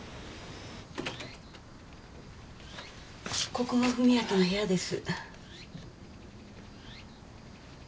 ここが史明の部屋です。